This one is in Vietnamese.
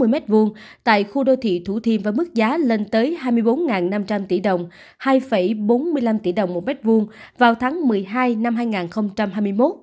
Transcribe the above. hai mươi sáu mươi m hai tại khu đô thị thủ thiên với mức giá lên tới hai mươi bốn năm trăm linh tỷ đồng hai bốn mươi năm tỷ đồng một m hai vào tháng một mươi hai năm hai nghìn hai mươi một